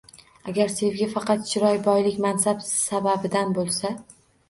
Agar sevgi faqat chiroy, boylik, mansab sababidan bo‘lsa